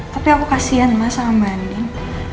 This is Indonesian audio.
tapi aku kasian sama mbak nin